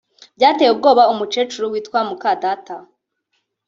Byateye ubwoba uwo mukecuru witwa Mukadata